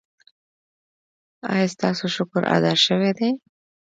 ایا ستاسو شکر ادا شوی دی؟